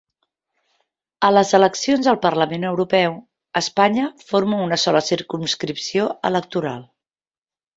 A les eleccions al Parlament Europeu, Espanya forma una sola circumscripció electoral.